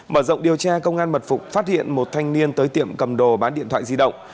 mở rộng điều tra công an mật phục phát hiện một thanh niên tới tiệm cầm đồ bán điện thoại di động